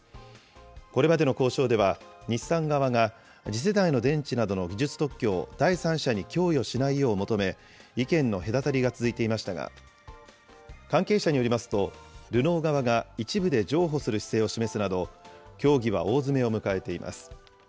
これまでの交渉では、日産側が次世代の電池などの技術特許を第三者に供与しないよう求め、意見の隔たりが続いていましたが、関係者によりますと、ルノー側が一部で譲歩する姿勢を示すなど、協議は大詰めを迎えています。